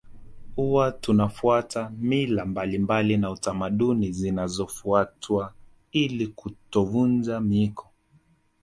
Huwa tunafuata mila mbalimbali na tamaduni zinazofuatwa ili kutovunja miiko